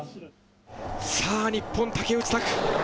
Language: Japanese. さあ、日本、竹内択。